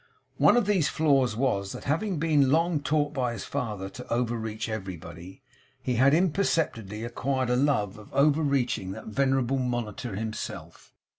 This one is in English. One of these flaws was, that having been long taught by his father to over reach everybody, he had imperceptibly acquired a love of over reaching that venerable monitor himself.